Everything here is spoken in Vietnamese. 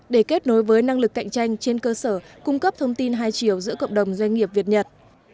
để kết nối với năng lực cạnh tranh trên cơ sở cung cấp thông tin hai chiều giữa cộng đồng doanh nghiệp việt nhật